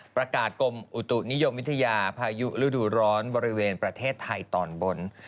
กรมอุตุนิยมวิทยาพายุฤดูร้อนบริเวณประเทศไทยตอนบน